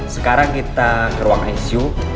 sekarang kita ke ruang icu